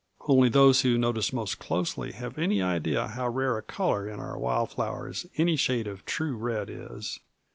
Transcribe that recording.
Only those who notice most closely have any idea how rare a color in our wild flowers any shade of true red is.